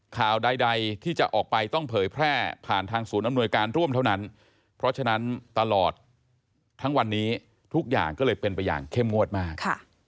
ข่าวใดที่จะออกไปต้องเผยแพร่ผ่านทางศูนย์อำนวยการร่วมเท่านั้นเพราะฉะนั้นตลอดทั้งวันนี้ทุกอย่างก็เลยเป็นไปอย่างเข้มงวดมาก